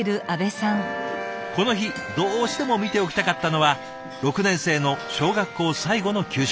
この日どうしても見ておきたかったのは６年生の小学校最後の給食。